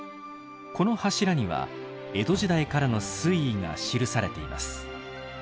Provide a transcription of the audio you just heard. この柱には江戸時代からの水位が記されています。